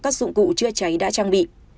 các dụng cụ chữa cháy đã trang bị